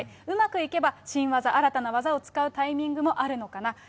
うまくいけば新技、新たな技を使うタイミングもあるのかな。